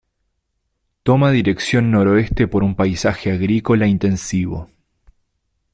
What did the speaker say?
Toma dirección noroeste por un paisaje agrícola intensivo.